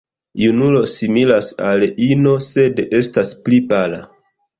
Junulo similas al ino, sed estas pli pala.